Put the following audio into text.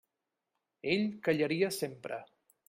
Ell callaria sempre.